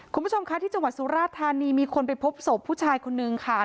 คุณผู้ชมคะที่จังหวัดสุราธานีมีคนไปพบศพผู้ชายคนนึงค่ะ